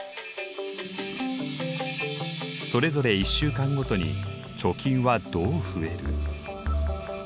それぞれ１週間ごとに貯金はどう増える？